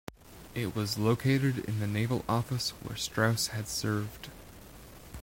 It was located in the naval office where Straus had served.